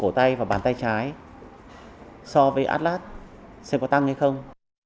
chụp cổ tay và bàn tay trái so với atlas sẽ có tăng hay không